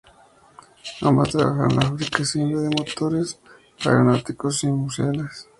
Ambas trabajaron en la fabricación de motores aeronáuticos y fuselajes.